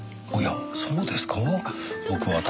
おやそうですか？